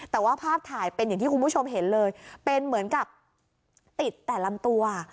แต่ว่าภาพถ่ายเป็นอย่างที่คุณผู้ชมเห็นเลยเป็นเหมือนกับติดแต่ลำตัว